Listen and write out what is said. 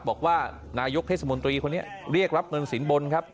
บอกว่านายกเทศมนตรีคนนี้เรียกรับเงินสินบนครับ